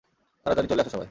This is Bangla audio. তাড়াতাড়ি চলে আসো সবাই!